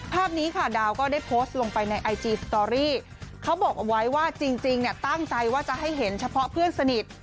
ภาพนี้ค่ะดาวก็ได้โพสต์ลงไปในไอจีสตอรี่เขาบอกเอาไว้ว่าจริงเนี่ยตั้งใจว่าจะให้เห็นเฉพาะเพื่อนสนิท